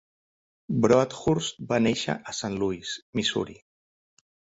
Broadhurst va néixer a Saint Louis, Missouri.